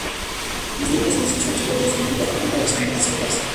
Los dientes en la sección posterior del fragmento apunta bastante hacia atrás.